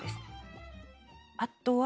あとは。